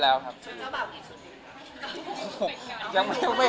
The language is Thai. แต่เราก็ไม่ในใจเนาะ